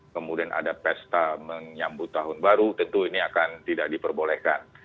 kemudian ada pesta menyambut tahun baru tentu ini akan tidak diperbolehkan